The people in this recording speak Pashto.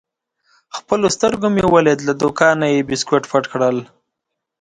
په خپلو سترګو مې ولید: له دوکانه یې بیسکویټ پټ کړل.